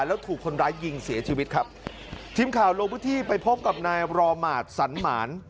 แล้วถูกคนร้ายยิงเสียชีวิตครับทีมข่าวลงพื้นที่ไปพบกับนายรอหมาตรสันหมาน